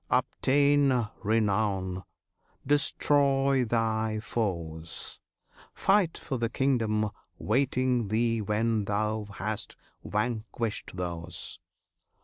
obtain renown! destroy thy foes! Fight for the kingdom waiting thee when thou hast vanquished those.